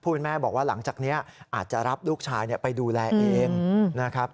คุณแม่บอกว่าหลังจากนี้อาจจะรับลูกชายไปดูแลเองนะครับ